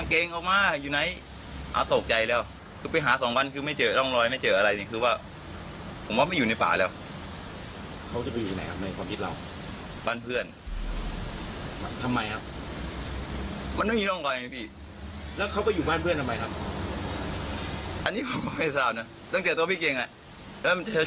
ก็ผ่านทำความผิดไงผ่านเข้าไปล่าสัตว์อย่างนี้ไงฮะ